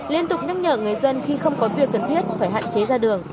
liên tục nhắc nhở người dân khi không có việc cần thiết phải hạn chế ra đường